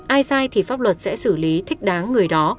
ai sai thì pháp luật sẽ xử lý thích đáng người đó